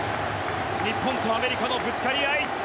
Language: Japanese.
日本とアメリカのぶつかり合い。